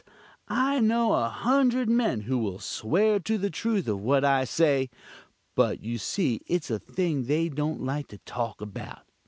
I know a hundred men who will swear to the truth of what I say: but you see its a thing they don't like to talk about.